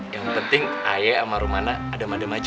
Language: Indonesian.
yang penting ayah sama romana adem adem aja